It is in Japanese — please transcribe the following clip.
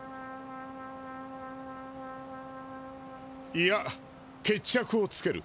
いや決着をつける。